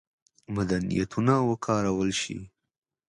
میتودونه وکارول شي.